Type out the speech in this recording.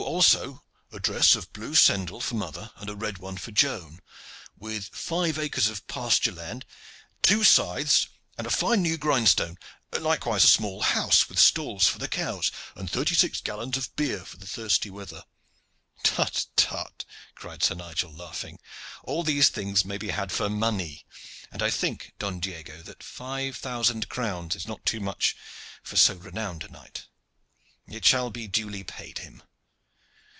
Also a dress of blue sendall for mother and a red one for Joan; with five acres of pasture land, two scythes, and a fine new grindstone. Likewise a small house, with stalls for the cows, and thirty six gallons of beer for the thirsty weather." "Tut, tut!" cried Sir Nigel, laughing. "All these things may be had for money; and I think, Don Diego, that five thousand crowns is not too much for so renowned a knight." "It shall be duly paid him."